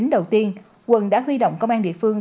đầu tiên quận đã huy động công an địa phương